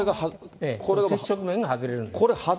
接触面が外れるんです。